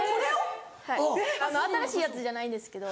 はい新しいやつじゃないんですけど。